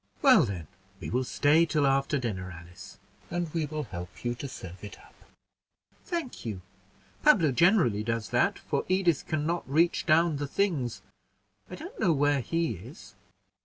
"Well, then, we will stay till after dinner, Alice, and we will help you to serve it up." "Thank you; Pablo generally does that, for Edith can not reach down the things. I don't know where he is."